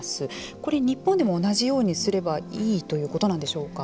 これ日本でも同じようにすればいいということなんでしょうか。